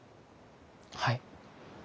はい。